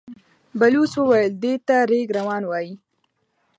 بلوڅ وويل: دې ته رېګ روان وايي.